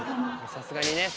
さすがに。